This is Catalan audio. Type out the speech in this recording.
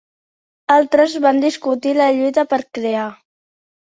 Altres van discutir la lluita per crear.